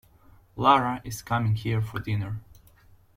Lara is coming here for dinner.